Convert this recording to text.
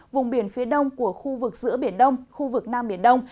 vùng biển phía đông của khu vực giữa biển đông khu vực nam biển đông